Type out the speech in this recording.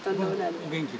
お元気で。